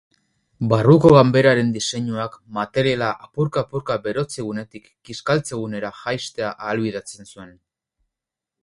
Barruko ganberaren diseinuak materiala, apurka-apurka berotze-gunetik kiskaltze-gunera jaistea ahalbidetzen zuen.